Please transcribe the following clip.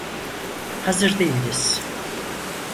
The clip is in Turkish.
Hazır değiliz.